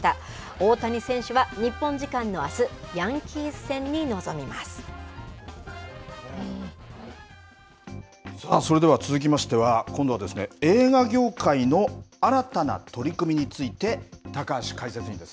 大谷選手は日本時間のあす、さあ、それでは続きましては、今度は、映画業界の新たな取り組みについて、高橋解説委員です。